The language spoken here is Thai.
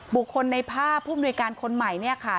บุคคลในภาพผู้มนุยการคนใหม่เนี่ยค่ะ